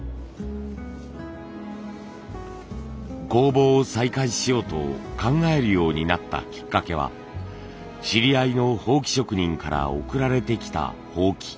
工房を再開しようと考えるようになったきっかけは知り合いの箒職人から送られてきた箒。